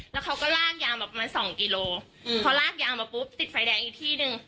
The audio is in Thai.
แล้วเขาก็ลากยาวแบบประมาณสองกิโลพอลากยาวมาปุ๊บติดไฟแดงอีกที่หนึ่ง